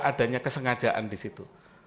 adanya kesengajaan di situ